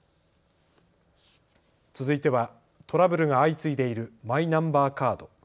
続いてはトラブルが相次いでいるマイナンバーカード。